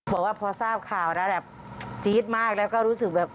บอกว่าพอทราบข่าวแล้วแบบจี๊ดมากแล้วก็รู้สึกแบบ